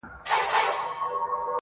آسمانه ما ستا د ځوانۍ په تمه!